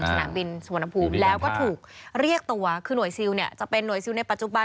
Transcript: สนามบินสุวรรณภูมิแล้วก็ถูกเรียกตัวคือหน่วยซิลเนี่ยจะเป็นหน่วยซิลในปัจจุบัน